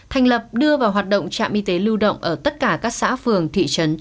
thành lập đưa vào hoạt động trạm y tế lưu động ở tất cả các xã phường thị trấn trên địa bàn